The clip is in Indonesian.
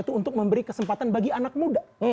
itu untuk memberi kesempatan bagi anak muda